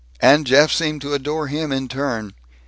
And Jeff seemed to adore him in turn.